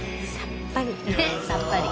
さっぱり。